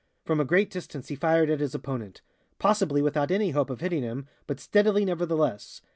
From a great distance he fired at his opponent possibly without any hope of hitting him, but steadily nevertheless.